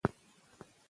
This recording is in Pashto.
ایا بدن تل بد بوی کوي؟